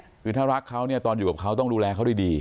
หมอว์คือถ้ารักเขาตอนอยู่ครับเขาต้องดูแลเขาดี